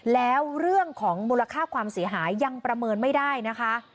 แล้วเรื่องของมูลค่าความเสียหายยังประเมินไม่ได้นะคะ